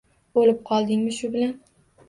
O‘lib qoldingmi shu bilan?